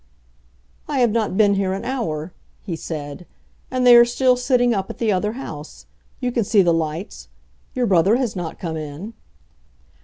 "I have not been here an hour," he said, "and they are still sitting up at the other house. You can see the lights. Your brother has not come in."